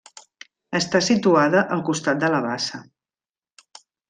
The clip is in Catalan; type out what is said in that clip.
Està situada al costat de la bassa.